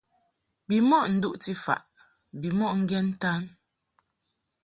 Bimɔʼ nduʼti faʼ bimɔʼ ŋgen ntan.